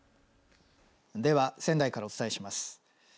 では、仙台からお伝えします。